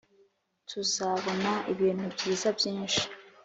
tuzabona ibintu byiza byinshi,